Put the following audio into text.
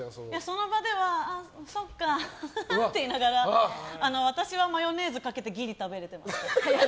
その場ではそっかあははって言いながら私はマヨネーズかけてギリ食べれた。